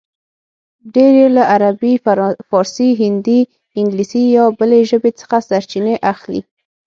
ډېر یې له عربي، فارسي، هندي، انګلیسي یا بلې ژبې څخه سرچینې اخلي